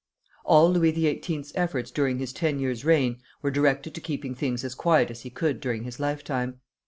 All Louis XVIII.'s efforts during his ten years' reign were directed to keeping things as quiet as he could during his lifetime.